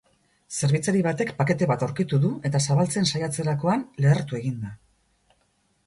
Zerbitzari batek pakete bat aurkitu du eta zabaltzen saiatzerakoan lehertu egin da.